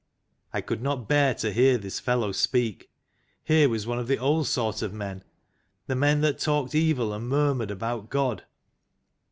I could not bear to hear this fellow speak. Here was one of the old sort of men, the men that talked evil, and murmured about God.